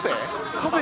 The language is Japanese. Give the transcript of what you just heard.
カフェ？